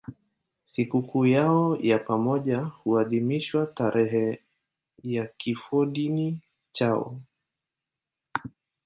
Sikukuu yao ya pamoja huadhimishwa tarehe ya kifodini chao.